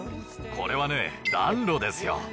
これはね、暖炉ですよ。